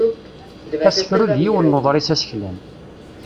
Asefru d yiwen n uḍris aseklan.